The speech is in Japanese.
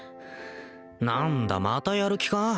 何だまたやる気か？